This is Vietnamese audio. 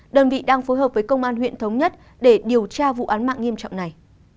đơn vị đang phối hợp với công an huyện thống nhất để điều tra vụ án mạng nghiêm trọng này